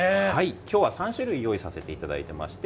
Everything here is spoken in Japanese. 今日は３種類用意させていただきまして。